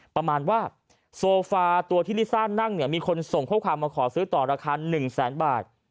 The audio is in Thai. ประมาณว่าโซฟาตัวที่ลิซ่านั่งเนี่ยมีคนส่งข้อความมาขอซื้อต่อราคา๑แสนบาท